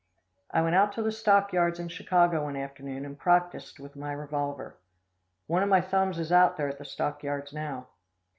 I went out to the stock yards in Chicago one afternoon and practiced with my revolver. One of my thumbs is out there at the stock yards now.